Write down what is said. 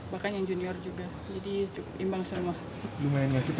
bahkan yang junior juga jadi imbang semua